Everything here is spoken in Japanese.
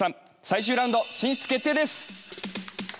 最終ラウンド進出決定です